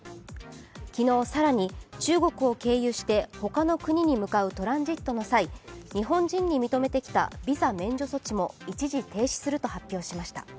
昨日更に中国を経由して他の国に向かうトランジットの際、日本人に認めてきたビザ免除措置も一時停止すると発表しました。